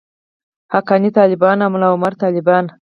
حقاني طالبان او ملاعمر طالبان.